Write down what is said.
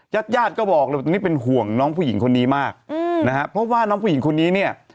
ญาติญาติก็บอกเลยตอนนี้เป็นห่วงน้องผู้หญิงคนนี้มากอืมนะฮะเพราะว่าน้องผู้หญิงคนนี้เนี่ย